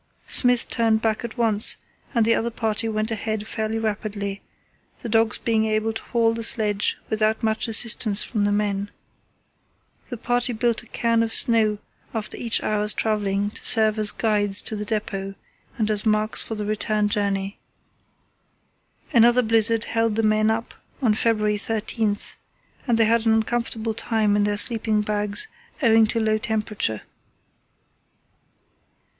Smith turned back at once, and the other party went ahead fairly rapidly, the dogs being able to haul the sledge without much assistance from the men. The party built a cairn of snow after each hour's travelling to serve as guides to the depot and as marks for the return journey. Another blizzard held the men up on February 13, and they had an uncomfortable time in their sleeping bags owing to low temperature.